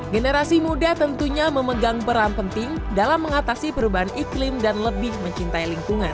generasi muda tentunya memegang peran penting dalam mengatasi perubahan iklim dan lebih mencintai lingkungan